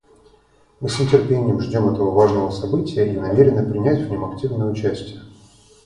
Мы с нетерпением ждем этого важного события и намерены принять в нем активное участие.